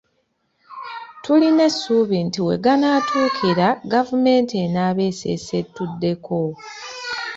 Tulina essuubi nti we ganaatuukira gavumenti enaaba eseesetuddeko.